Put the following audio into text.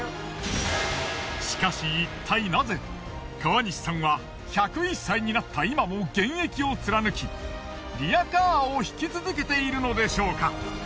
しかしいったいナゼ川西さんは１０１歳になった今も現役を貫きリヤカーを引き続けているのでしょうか？